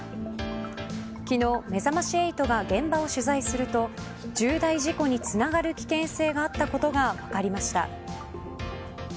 昨日めざまし８が現場を取材すると重大事故につながる危険性があったことが分かりました。